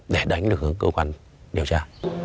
để đánh được hướng cơ quan điều tra